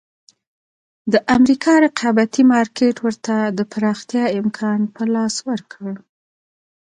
د امریکا رقابتي مارکېټ ورته د پراختیا امکان په لاس ورکړ.